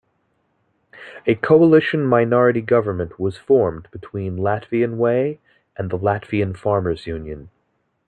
A coalition minority government was formed between Latvian Way and the Latvian Farmers' Union.